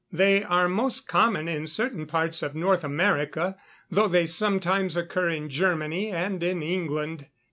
They are most common in certain parts of North America, though they sometimes occur in Germany and in England.